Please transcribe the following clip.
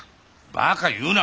バカ言うな！